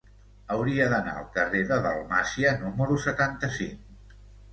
Hauria d'anar al carrer de Dalmàcia número setanta-cinc.